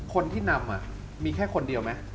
คนที่นำมีแค่คนเดียวไหม